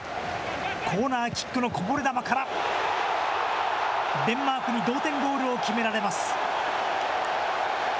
コーナーキックのこぼれ球から、デンマークに同点ゴールを決められます。